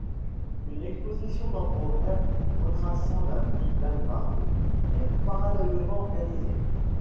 Une exposition temporaire retraçant la vie d'Álvaro est parallèlement organisée.